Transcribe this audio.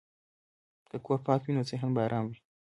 که کور پاک وي، نو ذهن به ارام وي.